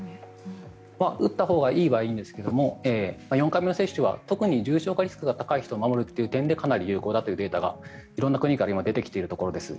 打ったほうがいいはいいんですが４回目の接種は特に重症化リスクの高い人を守るという点でかなり有効だというデータが色んな国から今出てきているところです。